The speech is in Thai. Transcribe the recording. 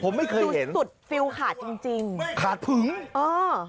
ผมไม่เคยเห็นดูสุดฟิล์ลขาดจริงจริงขาดผึงอ่า